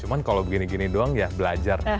cuma kalau begini gini doang ya belajar